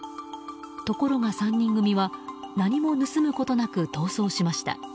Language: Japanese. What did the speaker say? ところが３人組は何も盗むことなく逃走しました。